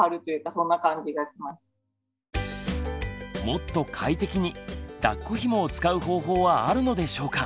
もっと快適にだっこひもを使う方法はあるのでしょうか？